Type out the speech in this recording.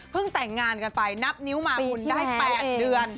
แต่งงานกันไปนับนิ้วมาคุณได้๘เดือน